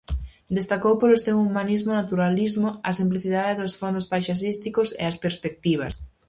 Destacou polo seu humanismo e naturalismo, a simplicidade dos fondos paisaxísticos e as perspectivas.